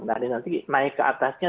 nah nanti naik ke atasnya